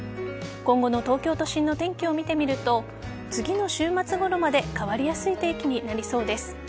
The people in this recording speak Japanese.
今後の東京都心の天気を見てみると次の週末ごろまで変わりやすい天気になりそうです。